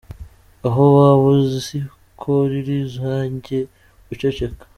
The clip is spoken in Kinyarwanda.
Aho waba uzi ko riri uzajye uceceka.